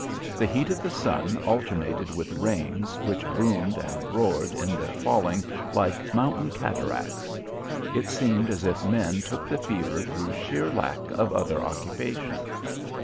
The heat of the sun alternated with rains which boomed and roared in their falling like mountain cataracts. It seemed as if men took the fever through sheer lack of other occupation.